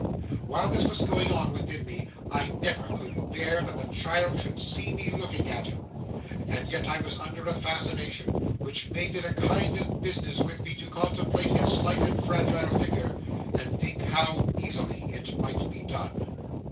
While this was going on within me, I never could bear that the child should see me looking at him, and yet I was under a fascination which made it a kind of business with me to contemplate his slight and fragile figure and think how easily it might be done.